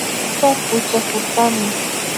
Warmika puchakurkami